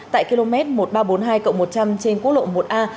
tại km một nghìn ba trăm bốn mươi hai một trăm linh trên quốc lộ một a